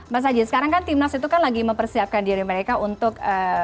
mas aji sekarang kan timnas itu kan lagi mempersiapkan diri mereka untuk